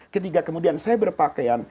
ketika kemudian saya berpakaian